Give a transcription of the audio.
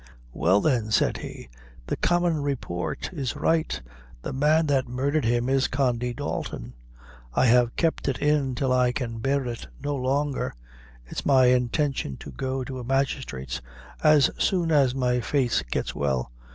"Well, then," said he, "the common report is right; the man that murdhered him is Condy Dalton. I have kept it in till I can bear it no longer. It's my intention to go to a magistrate's as soon as my face gets well.